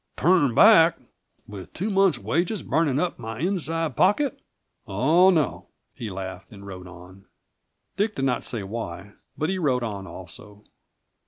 "Turn back with two months' wages burning up my inside pocket? Oh, no!" he laughed, and rode on. Dick did not say why, but he rode on also.